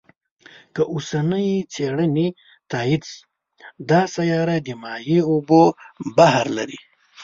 که اوسنۍ څېړنې تایید شي، دا سیاره د مایع اوبو بحر لري.